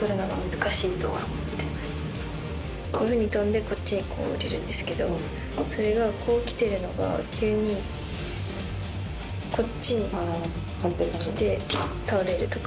こういうふうに跳んでこっちに下りるんですけどそれがこう来てるのが急にこっちに来て倒れるとか。